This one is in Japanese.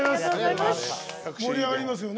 盛り上がりますよね。